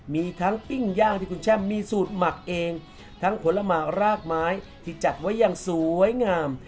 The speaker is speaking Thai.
มีทั้งปิ้งย่างที่คุณแช่มมีสูตรหมักเองทั้งผลหมากรากไม้ที่จัดไว้อย่างสวยงาม